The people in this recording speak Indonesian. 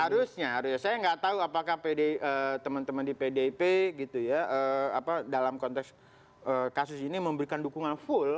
harusnya harus saya tidak tahu apakah teman teman di pdp dalam konteks kasus ini memberikan dukungan full